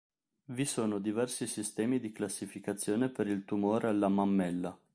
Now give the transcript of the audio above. Vi sono diversi sistemi di classificazione per il tumore alla mammella.